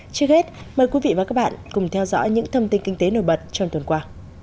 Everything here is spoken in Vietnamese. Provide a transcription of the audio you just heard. trước hết mời quý vị và các bạn cùng theo dõi những thông tin kinh tế nổi bật trong tuần qua